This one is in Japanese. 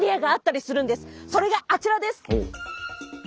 それがあちらです！